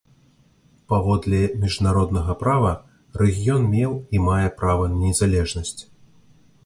Паводле міжнароднага права рэгіён меў і мае права на незалежнасць.